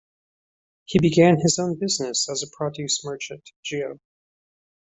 He began his own business as a produce merchant, Geo.